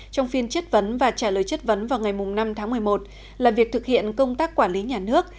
trong phiên chất vấn và trả lời chất vấn vào ngày năm tháng một mươi một là việc thực hiện công tác quản lý nhà nước